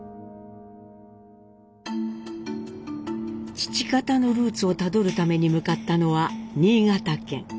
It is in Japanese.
父方のルーツをたどるために向かったのは新潟県。